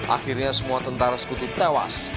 akhirnya semua tentara sekutu tewas